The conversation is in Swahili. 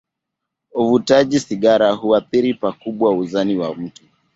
Uvutaji sigara huathiri pakubwa uzani wa mtu.